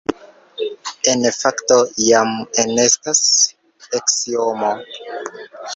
En fakto, jam enestas aksiomo.